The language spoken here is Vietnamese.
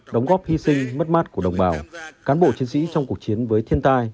đóng góp hy sinh mất mát của đồng bào cán bộ chiến sĩ trong cuộc chiến với thiên tai